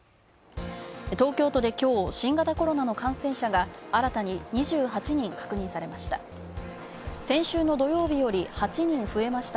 東京都で今日、新型コロナの感染者が新たに２８人確認されました。